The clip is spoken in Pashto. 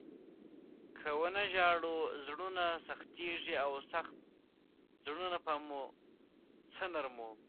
که و نه ژاړو، زړونه سختېږي او سخت زړونه به په څه نرموو؟